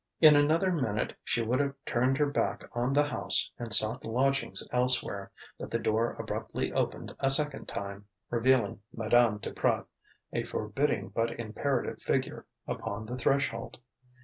In another minute she would have turned her back on the house and sought lodgings elsewhere, but the door abruptly opened a second time, revealing Madame Duprat, a forbidding but imperative figure, upon the threshold.